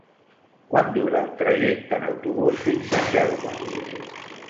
Quant dura el trajecte en autobús fins a Xelva?